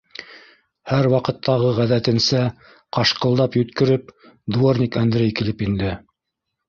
Һәр ваҡыттағы ғәҙәтенсә, ҡажҡылдап йүткереп, дворник Андрей килеп инде.